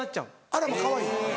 あらまかわいい。